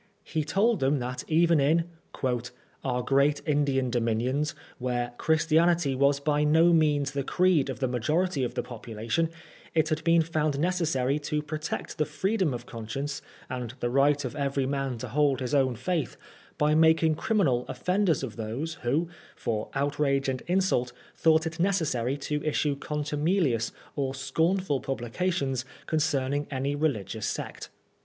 He told them that even in "our great Indian dominions, where Christianity was by no means the creed of the majority of the population, it had been found necessary to protect the freedom of conscience and the right of every man to hold his own faith, by making criminal oflEenders of those who, for outrage and insult, thought it necessary to issue contumelious or scornful publications concerning any religious sect."